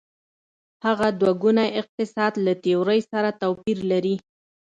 هغه دوه ګونی اقتصاد له تیورۍ سره توپیر لري.